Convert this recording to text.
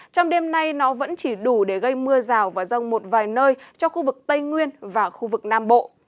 trong đêm nay nó vẫn chỉ đủ để gây mưa rào và rông một vài nơi cho khu vực tây nguyên và khu vực nam bộ